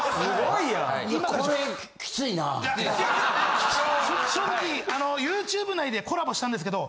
いや正直あのＹｏｕＴｕｂｅ内でコラボしたんですけど。